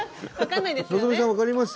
希さん分かります？